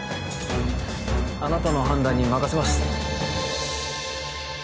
あなたの判断に任せます